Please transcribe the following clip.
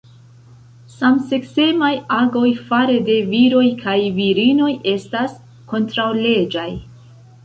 Samseksemaj agoj fare de viroj kaj virinoj estas kontraŭleĝaj.